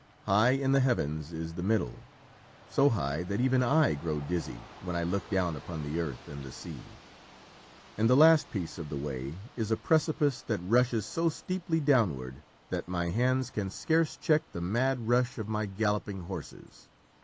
High in the heavens is the middle, so high that even I grow dizzy when I look down upon the earth and the sea. And the last piece of the way is a precipice that rushes so steeply downward that my hands can scarce check the mad rush of my galloping horses.